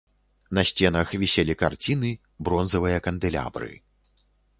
На сценах віселі карціны, бронзавыя кандэлябры.